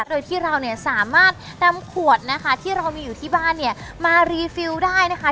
โดยที่เราสามารถนำขวดที่เรามีอยู่ที่บ้านมารีฟิลได้นะคะ